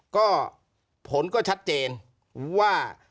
ก็ผลก็ชัดเจนว่า